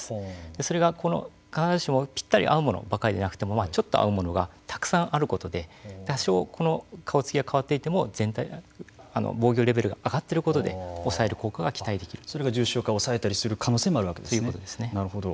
それがこの必ずしもぴったり合うものだけじゃなくてもちょっと合うものがたくさんあることで多少顔つきが変わっていっても全体の防御レベルが上がっていることでそれが重症化を抑えたりする可能性があるわけですね。